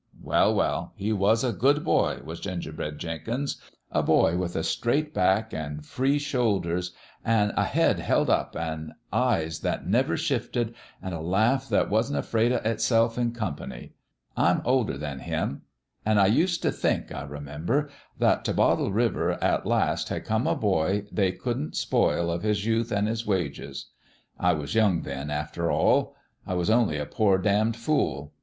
Well, well ! he was a good boy, was Gingerbread Jenkins a boy with a straight back, an' free shoulders, an' a head held up, an' eyes that never shifted, an' a laugh that wasn't afraid of itself in company. I'm older than him ; an' I used t' think, I remember, that t' Bottle River at last had come a boy they couldn't spoil of his youth an' his wages. I was young, then, after all. I was only a poor damned fool.